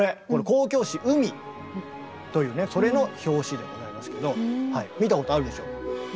交響詩「海」というねそれの表紙でございますけど見たことあるでしょ？